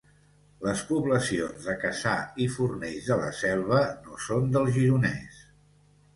Les poblacions de Cassà i Fornells de la Selva no són del Gironès